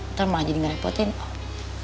nanti mau jadi gak repotin om